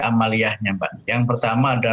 amaliyahnya pak yang pertama ada